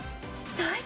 最高。